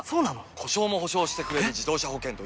故障も補償してくれる自動車保険といえば？